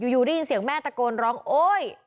อยู่ได้ยินเสียงแม่ตะโกนร้องโอ๊ย